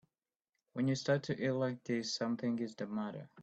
When you start to eat like this something is the matter.